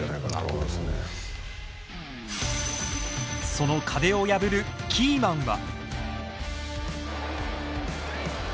その壁を破るキーマンは。